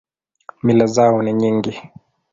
Mila zao ni nyingi.